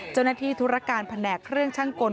เจ้าหน้าที่ธุรการแผนกเครื่องชั่งกล